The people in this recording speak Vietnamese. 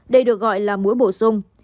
đây được gọi là mũi bổ sung